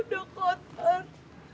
sekarang aku udah kotor